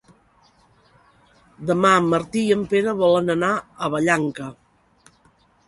Demà en Martí i en Pere volen anar a Vallanca.